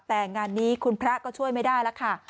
แต่งานนี้คุณพระก็ช่วยไม่ได้แล้วค่ะ